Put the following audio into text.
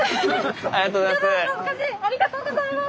ありがとうございます！